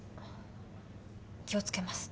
気を付けます。